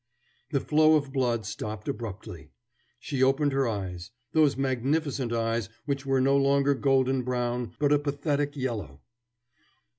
The flow of blood stopped abruptly. She opened her eyes, those magnificent eyes which were no longer golden brown but a pathetic yellow.